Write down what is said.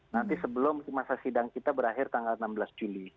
nanti sebelum masa sidang kita berakhir tanggal enam belas juli